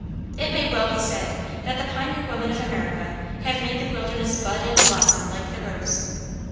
It may well be said that the pioneer women of America have made the wilderness bud and blossom like the rose.